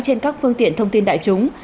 trên các phương tiện thông tin đại chúng